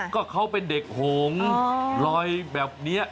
ก็เขาเป็นเด็กหงลอยแบบนี้